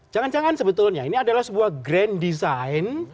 jangan jangan sebetulnya ini adalah sebuah grand design